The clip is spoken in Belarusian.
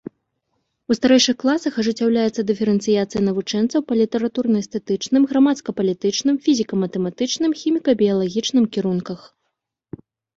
У старэйшых класах ажыццяўляецца дыферэнцыяцыя навучэнцаў па літаратурна-эстэтычным, грамадска-палітычным, фізіка-матэматычным, хіміка-біялагічным кірунках.